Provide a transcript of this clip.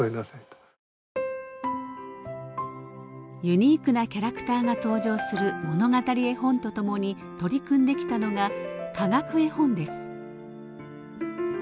ユニークなキャラクターが登場する物語絵本とともに取り組んできたのが科学絵本です。